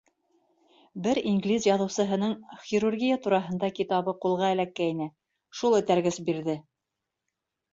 Бер инглиз яҙыусыһының хирургия тураһында китабы ҡулға эләккәйне, шул этәргес бирҙе.